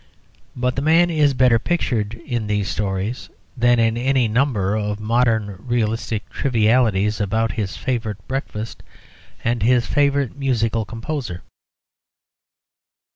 But the man is better pictured in these stories than in any number of modern realistic trivialities about his favourite breakfast and his favourite musical composer.